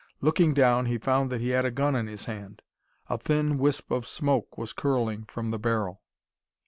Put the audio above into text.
Looking down he found that he had a gun in his hand. A thin wisp of smoke was curling from the barrel.